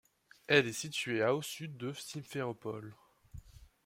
Elle est située à au sud de Simferopol.